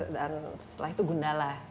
dan setelah itu gundala